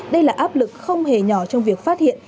đây là áp lực không hề nhỏ trong việc phát hiện